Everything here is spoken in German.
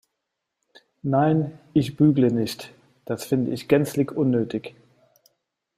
Nein, ich bügle nicht, das finde ich gänzlich unnötig.